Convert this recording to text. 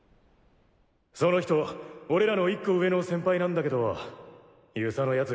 その人俺らの１個上の先輩なんだけど遊佐の奴